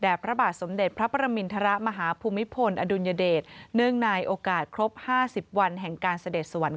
แต่พระบาทสมเด็จพระประมรินทรมาฮับพุมิภลอดุญเดตเนื่องในโอกาสครบห้าสิบวันแห่งการเสด็จสวรรคตค่ะ